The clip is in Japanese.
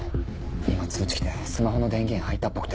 今通知来てスマホの電源入ったっぽくて。